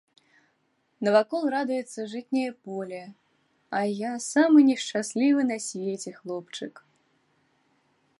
Навакол радуецца жытняе поле, а я самы нешчаслівы на свеце хлопчык.